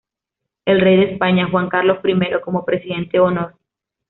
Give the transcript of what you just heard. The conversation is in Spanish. El Rey de España Juan Carlos I, como Presidente de Honor.